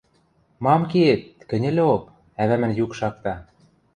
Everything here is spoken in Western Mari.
– Мам киэт, кӹньӹлок... – ӓвӓмӹн юк шакта.